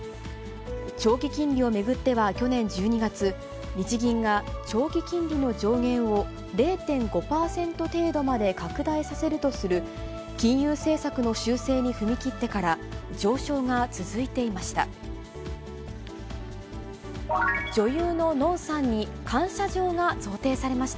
長期金利を巡っては去年１２月、日銀が長期金利の上限を０．５％程度まで拡大させるとする、金融政策の修正に踏み切ってから、上昇が続いていました。